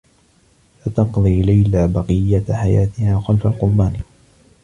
ستقضي ليلى بقيّة حياتها خلف القضبان.